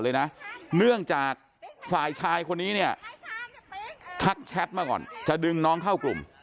เนื่องจากฝ่ายชายคนนี้เนี่ยทักแชทมาก่อนจะดึงน้องเข้ากลุ่ม